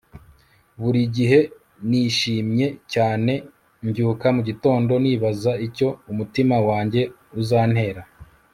buri gihe nishimye cyane mbyuka mugitondo nibaza icyo umutima wanjye uzantera